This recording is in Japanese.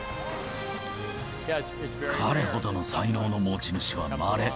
彼ほどの才能の持ち主はまれ。